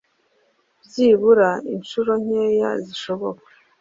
byibura inshuro nkeya zishoboka